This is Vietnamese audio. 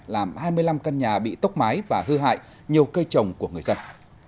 làm hai mươi năm căn nhà bị tốc mái và hư hại nhiều cây trồng của người dân